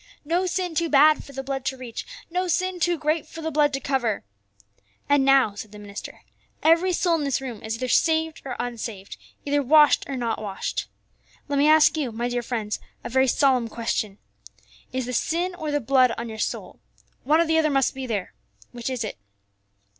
No sin too bad for the blood to reach, no sin too great for the blood to cover. And now," said the minister, "every soul in this room is either saved or unsaved, either washed or not washed. "Let me ask you, my dear friends, a very solemn question: Is the sin or the blood on your soul? One or the other must be there. Which is it?"